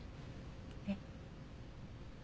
えっ？